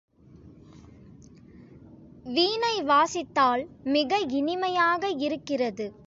வீணை வாசித்தால் மிக இனிமையாக இருக்கிறது.